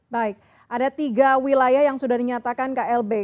baik ada tiga wilayah yang sudah dinyatakan klb